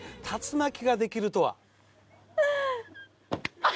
竜巻ができるとは。